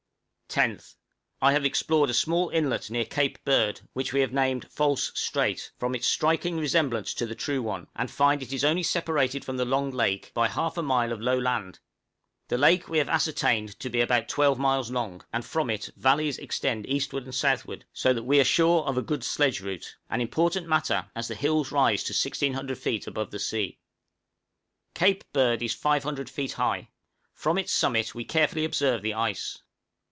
10th. I have explored a small inlet near Cape Bird, which we have named False Strait, from its striking resemblance to the true one, and find it is only separated from the long lake by half a mile of low land; the lake we have ascertained to be about 12 miles long, and from it valleys extend eastward and southward, so that we are sure of a good sledge route, an important matter, as the hills rise to 1600 feet above the sea. {CAPE BIRD.} Cape Bird is 500 feet high; from its summit we carefully observe the ice.